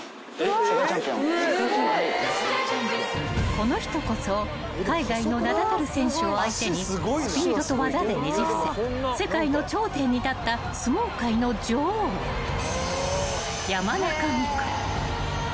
［この人こそ海外の名だたる選手を相手にスピードと技でねじ伏せ世界の頂点に立った相撲界の女王山中未久］